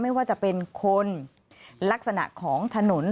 ไม่ว่าจะเป็นคนลักษณะของถนน